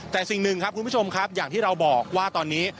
แต่สิ่งหนึ่งครับคุณผู้ชมครับอย่างที่เราบอกว่าตอนนี้